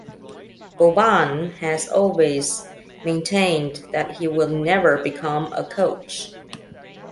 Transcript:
Boban has always maintained that he will never become a coach.